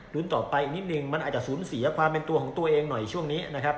ต่อไปอีกนิดนึงมันอาจจะสูญเสียความเป็นตัวของตัวเองหน่อยช่วงนี้นะครับ